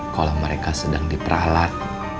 kalau mereka sedang diperalat